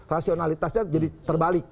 rasionalitasnya jadi terbalik